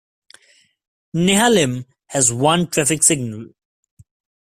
Nehalem has one traffic signal.